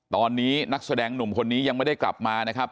ตอนนี้นักแสดงหนุ่มคนนี้ยังไม่ได้กลับมานะครับ